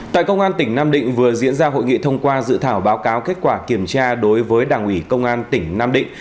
tại công an tỉnh nam định vừa diễn ra hội nghị thông qua dự thảo báo cáo kết quả kiểm tra đối với đảng ủy công an tỉnh nam định